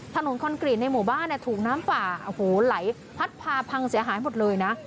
คอนกรีตในหมู่บ้านถูกน้ำป่าโอ้โหไหลพัดพาพังเสียหายหมดเลยนะ